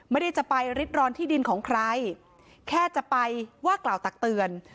ไม่ได้จะไปริดร้อนที่ดินของใครแค่จะไปว่ากล่าวตักเตือน